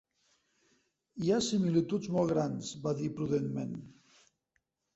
"Hi ha similituds molt grans", va dir prudentment.